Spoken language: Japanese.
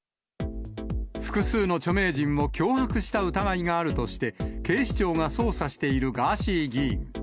複数の著名人を脅迫した疑いがあるとして、警視庁が捜査しているガーシー議員。